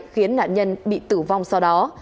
khiến nạn nhân bị tử vong sau đó